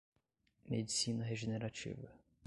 Medicina regenerativa